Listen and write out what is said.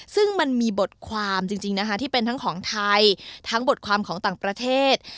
ซึ่งมันมีบทความจริงนะคะที่เป็นทั้งของไทยทั้งบทความของต่างประเทศ